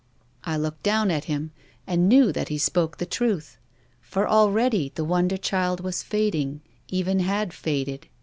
*" I looked down at him, and knew that he spoke the truth ; for already the wonder child was fad ing, even had faded.